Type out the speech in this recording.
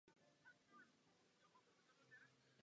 Neměli bychom v této oblasti urychleně přijmout opatření?